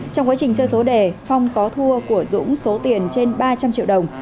trong quá trình chơi số đề phong có thua của dũng số tiền trên ba trăm linh triệu đồng